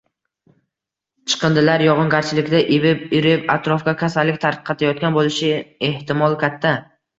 Chiqindilar yogʻingarchilikda ivib, irib, atrofga kasallik tarqatayotgan boʻlishi ehtimoli katta.